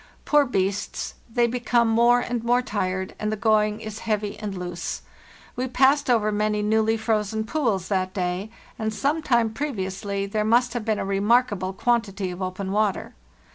Poor beasts, they become more and more tired, and the going is heavy and loose. We passed over many newly frozen pools that day, and some time previously there must have been a_ remarkable quantity of open water.